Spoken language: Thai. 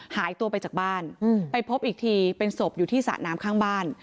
หายตัวไปจากบ้านไปพบอีกทีเป็นศพอยู่ที่สระน้ำข้างบ้าน